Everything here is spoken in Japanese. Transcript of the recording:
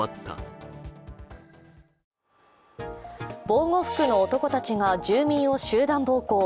防護服の男たちが住民を集団暴行。